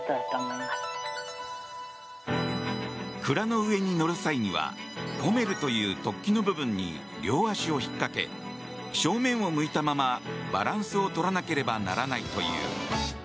鞍の上に乗る際にはポメルという突起の部分に両足をひっかけ正面を向いたままバランスをとらなければならないという。